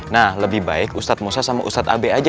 nah lebih baik ustadz musa sama ustadz abe aja